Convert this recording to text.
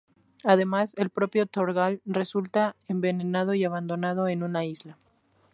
Además, el propio Thorgal resulta envenenado y abandonado en una isla.